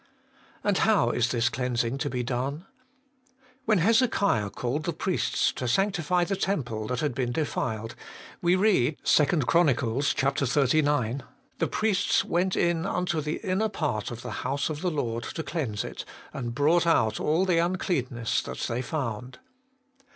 And how is this cleansing to be done ? When Hezekiah called the priests to sanctify the temple that had been defiled, we read (2 Chron. xxix.), ' The priests went in unto the inner part of the house of the Lord to cleanse it, and brought out all the uncleanness that they found.'